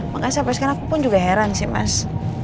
makanya saya paskan aku pun juga heran sih mas